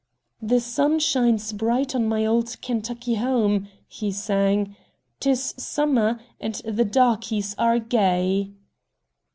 "The sun shines bright on my old Kentucky home," he sang; "'tis summer, and the darkies are gay."